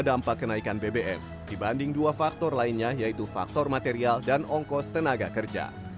dampak kenaikan bbm dibanding dua faktor lainnya yaitu faktor material dan ongkos tenaga kerja